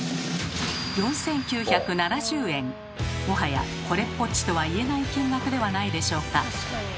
もはやこれっぽっちとは言えない金額ではないでしょうか。